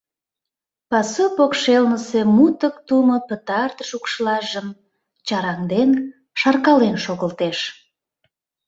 Пасу покшелнысе мутык тумо пытартыш укшлажым, чараҥден, шаркален шогылтеш.